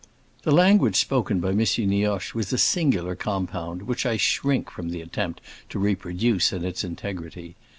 The language spoken by M. Nioche was a singular compound, which I shrink from the attempt to reproduce in its integrity.